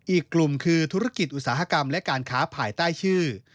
อีกกลุ่มคือธุรกิจอุตสาหกรรมและการค้าภายใต้ชื่อ